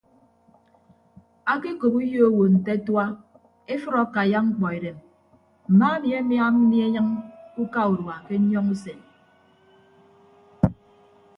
Ake okop uyo owo nte atua efʌd akaiya mkpọ edem mma ami ama anie enyịñ ke uka urua ke nyọñọ usen.